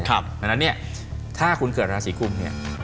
ดังนั้นเนี่ยถ้าคุณเกิดราศีกุมเนี่ย